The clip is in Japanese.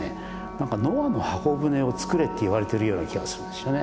何かノアの方舟を作れって言われてるような気がするんですよね。